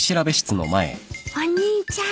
お兄ちゃん。